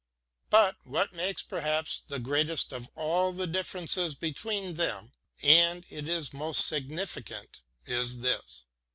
But what makes perhaps the greatest of all the differences between them — and it is most significant — ^is this.